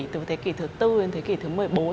từ thế kỷ thứ tư đến thế kỷ thứ một mươi bốn